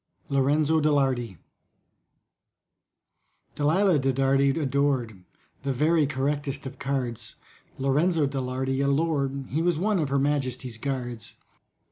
LORENZO DE LARDY DALILAH DE DARDY adored The very correctest of cards, LORENZO DE LARDY, a lord— He was one of Her Majesty's Guards.